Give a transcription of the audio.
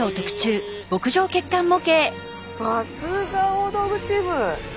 さすが大道具チーム。